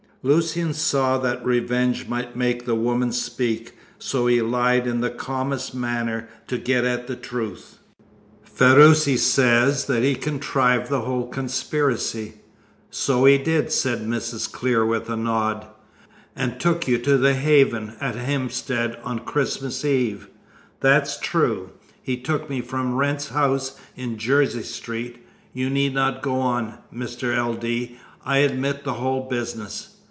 Lucian saw that revenge might make the woman speak, so he lied in the calmest manner to get at the truth. "Ferruci says that he contrived the whole conspiracy." "So he did," said Mrs. Clear, with a nod. "And took you to 'The Haven,' at Hampstead, on Christmas Eve." "That's true. He took me from Wrent's house in Jersey Street. You need not go on, Mr. L. D. I admit the whole business."